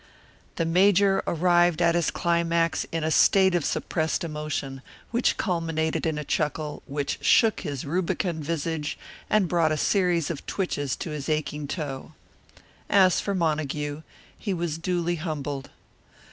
The Major arrived at his climax in a state of suppressed emotion, which culminated in a chuckle, which shook his rubicund visage and brought a series of twitches to his aching toe. As for Montague, he was duly humbled.